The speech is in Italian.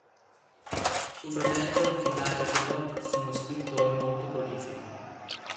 Suo fratello, Hilaire Belloc, fu uno scrittore molto prolifico.